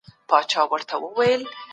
خو هغې پخپله درک کړ.